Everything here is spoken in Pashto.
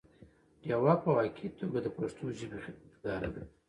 ډيوه په واقعي توګه د پښتو ژبې خدمتګاره ده